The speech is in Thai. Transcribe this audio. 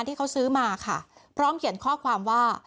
ที่เขาซื้อมาค่ะพร้อมเขียนข้อความว่า